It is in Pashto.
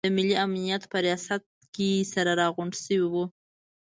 د ملي امنیت په ریاست کې سره راغونډ شوي وو.